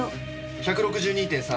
１６２．３。